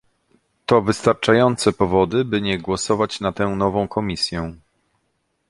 To wystarczające powody, by nie głosować na tę nową Komisję